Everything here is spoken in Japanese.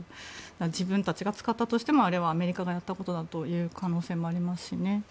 自分たちが使ったとしてもあれはアメリカがやったと言う可能性もありますしね。